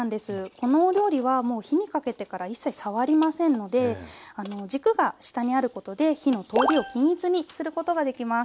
このお料理はもう火にかけてから一切触りませんので軸が下にあることで火の通りを均一にすることができます。